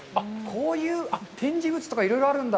こういう展示物とか、いろいろあるんだ。